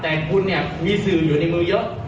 แต่คุณเนี่ยมีสื่ออยู่ในมือเยอะ